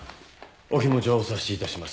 お気持ちはお察しいたします。